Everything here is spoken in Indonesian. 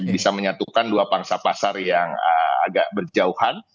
bisa menyatukan dua pangsa pasar yang agak berjauhan